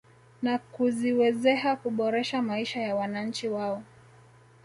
Na kuziwezeha kuboresha maisha ya wananchi wao